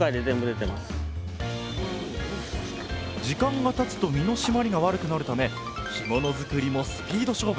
時間がたつと身のしまりが悪くなるため干物づくりもスピード勝負！